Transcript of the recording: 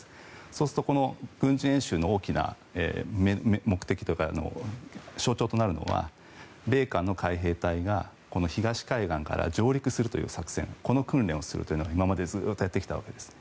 そうすると、この軍事演習の大きな目的というか象徴となるのは米韓の海兵隊が東海岸から上陸するという作戦この訓練をするというのを今までずっとやってきたわけです。